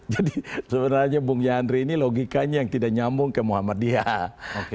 jadi sebenarnya bung yandri ini logikanya yang tidak nyambung ke muhammadiyah